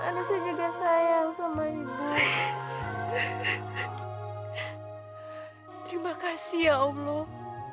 terima kasih ya allah